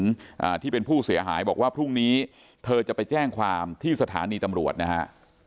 อ่าที่เป็นผู้เสียหายบอกว่าพรุ่งนี้เธอจะไปแจ้งความที่สถานีตำรวจนะฮะ